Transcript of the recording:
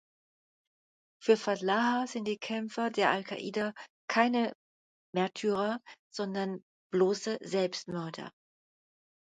Für Fadlallah sind die Kämpfer der al-Qaida keine Märtyrer, sondern „bloße Selbstmörder“.